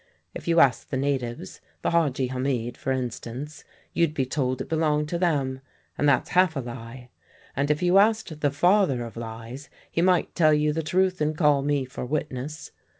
If you asked the natives the Hadji Hamid, for instance you'd be told it belonged to them; and that's half a lie. And if you asked the Father of Lies he might tell you the truth and call me for witness.